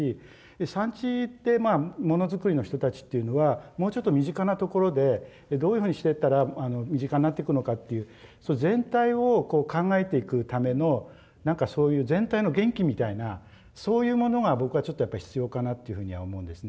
産地ってまあものづくりの人たちというのはもうちょっと身近なところでどういうふうにしてったら身近になってくのかという全体を考えていくための何かそういう全体の元気みたいなそういうものが僕はちょっとやっぱり必要かなというふうには思うんですね。